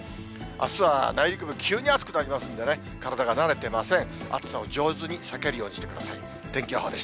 あすは内陸部、急に暑くなりますんでね、体が慣れてません。